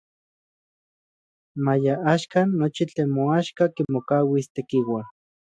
Maya axkan nochi tlen moaxka kimokauis Tekiua.